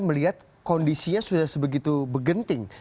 melihat kondisinya sudah sebegitu begenting